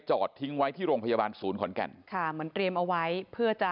จอดทิ้งไว้ที่โรงพยาบาลศูนย์ขอนแก่นค่ะเหมือนเตรียมเอาไว้เพื่อจะ